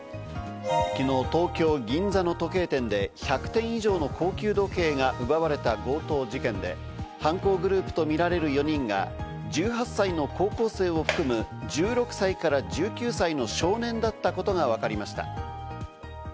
昨日、東京・銀座の時計店で１００点以上の高級時計が奪われた強盗事件で、犯行グループとみられる４人が１８歳の高校生を含む、１６歳から１９歳の少年だったことがわかりました。